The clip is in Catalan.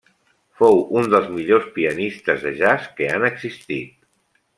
Fou un dels millors pianistes de jazz que han existit.